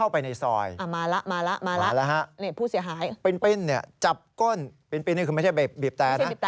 ปริ้นเนี่ยจับก้นปริ้นนี่คือไม่ใช่บีบแต่นะ